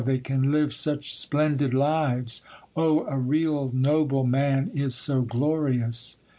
—they can live such splendid lives!—oh, a real noble man is so glorious!